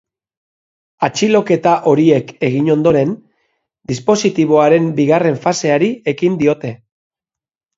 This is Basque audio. Atxiloketa horiek egin ondoren, dispositiboaren bigarren faseari ekin diote.